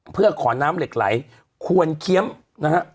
เพื่อขอน้ำเหล็กไหลควรเคี้ยมนะฮะ